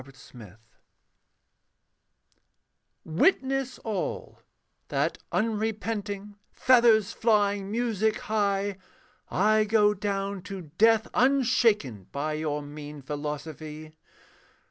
THE DESECRATERS Witness all: that unrepenting, Feathers flying, music high, I go down to death unshaken By your mean philosophy.